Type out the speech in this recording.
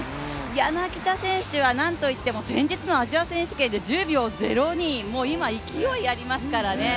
柳田選手は何といっても先日のアジア選手権で１０秒０２今、勢いありますからね。